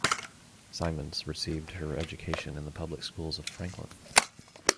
Simonds received her education in the public schools of Franklin.